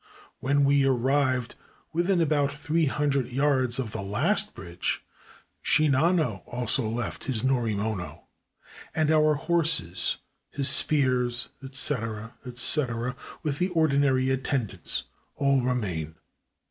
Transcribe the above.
When we arrived within about three hundred yards of the last bridge Shinano also left his norimono; and our horses, his spears, etc., etc., with the ordinary attendants, all remained.